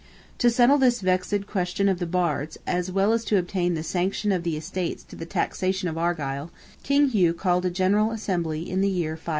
To settle this vexed question of the Bards, as well as to obtain the sanction of the estates to the taxation of Argyle, King Hugh called a General Assembly in the year 590.